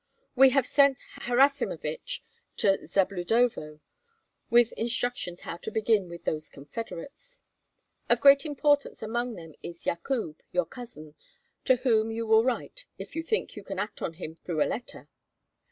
We have sent Harasimovich to Zabludovo with instructions how to begin with those confederates. Of great importance among them is Yakub, your cousin, to whom you will write, if you think you can act on him through a letter.